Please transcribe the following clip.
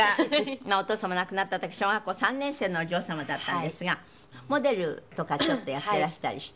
お父様が亡くなった時小学校３年生のお嬢様だったんですがモデルとかちょっとやってらしたりして。